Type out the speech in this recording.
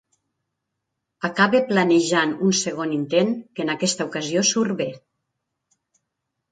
Acaba planejant un segon intent, que en aquesta ocasió surt bé.